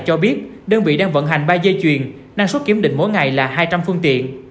cho biết đơn vị đang vận hành ba dây chuyền năng suất kiểm định mỗi ngày là hai trăm linh phương tiện